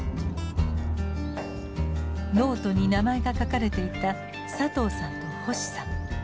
ノートに名前が書かれていた佐藤さんと星さん。